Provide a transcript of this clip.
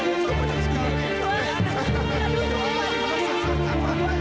aku capek mau pulang